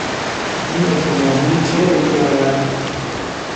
این اتومبیل چه عیبی دارد؟